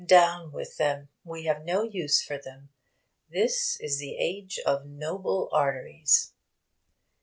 Down with them! We have no use for them. This is the age of 'noble arteries.'